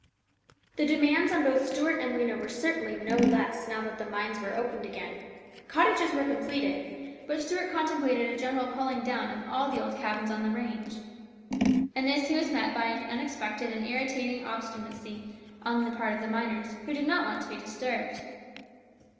The demands on both Stuart and Rhena were certainly no less now that the mines were opened again. The cottages were completed, but Stuart contemplated a general pulling down of all the old 286 HIS BROTHER'S KEEPER. cabins on the range. In this he was met by an unexpected and irritating obstinacy on the part of the miners, who did not want to be disturbed.